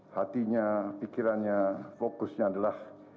hatinya pikirannya fokusnya adalah